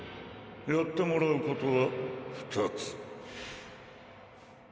やってもらうことは２つ。